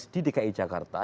di dki jakarta